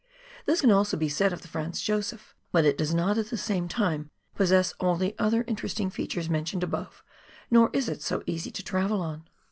This can be also said of the Franz Josef, but it does not at the same time possess all the other interesting features mentioned, above, nor is it so easy to travel on.